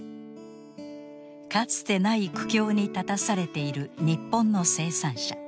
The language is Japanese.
かつてない苦境に立たされている日本の生産者。